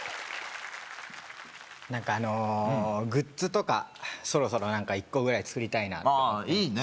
何かあのグッズとかそろそろ１個ぐらい作りたいなと思ってああいいね